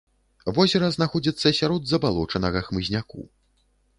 Возера знаходзіцца сярод забалочанага хмызняку.